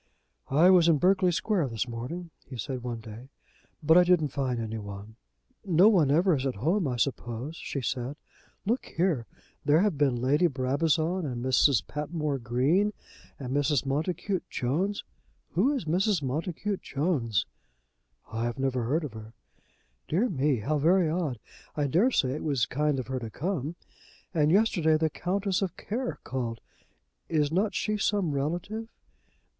"I was in Berkeley Square this morning," he said one day, "but I didn't find any one." "Nobody ever is at home, I suppose," she said. "Look here. There have been Lady Brabazon, and Mrs. Patmore Green, and Mrs. Montacute Jones. Who is Mrs. Montacute Jones?" "I never heard of her." "Dear me; how very odd. I dare say it was kind of her to come. And yesterday the Countess of Care called. Is not she some relative?"